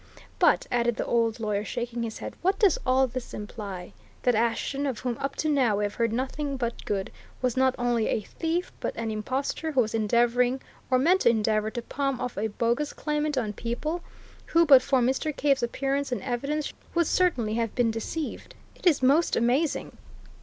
But," added the old lawyer, shaking his head, "what does all this imply? That Ashton, of whom up to now we have heard nothing but good, was not only a thief, but an impostor who was endeavouring, or meant to endeavour, to palm off a bogus claimant on people, who, but for Mr. Cave's appearance and evidence, would certainly have been deceived! It is most amazing."